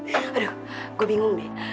aduh gue bingung deh